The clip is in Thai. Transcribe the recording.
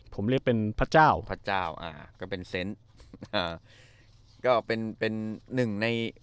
ผมเรียกเป็นพระเจ้าพระเจ้าอ่าก็เป็นเซนต์อ่าก็เป็นเป็นหนึ่งใน